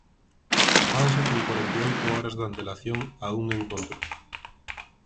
Fanse con corenta e oito horas de antelación a un encontro.